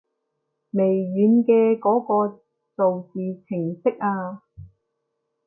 微軟嘅嗰個造字程式啊